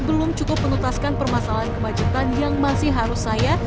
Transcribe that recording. belum cukup menutaskan permasalahan kemacetan yang masih harus saya